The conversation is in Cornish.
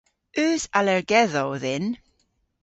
Eus allergedhow dhyn?